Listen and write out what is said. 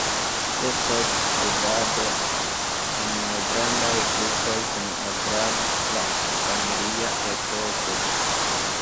Estos studado en malgrandaj grupoj kun agrabla familia etoso.